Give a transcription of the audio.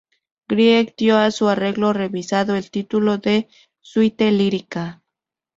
Grieg dio a su arreglo revisado el título de "Suite Lírica".